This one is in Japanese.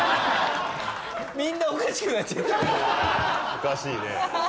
おかしいね。